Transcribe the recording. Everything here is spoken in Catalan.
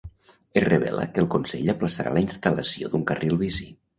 Es revela que el consell aplaçarà la instal·lació d'un carril bici.